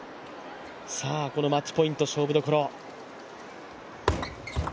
このマッチポイント、勝負どころ。